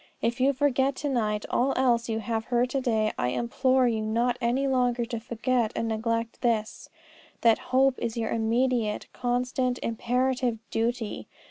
If you forget to night all else you have heard to day, I implore you not any longer to forget and neglect this, that hope is your immediate, constant, imperative duty.